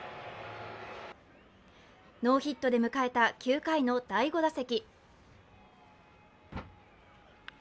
ノーヒットで迎えた９回の第５打席。